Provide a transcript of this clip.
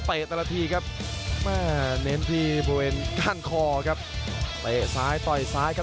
แต่ละทีครับแม่เน้นที่บริเวณก้านคอครับเตะซ้ายต่อยซ้ายครับ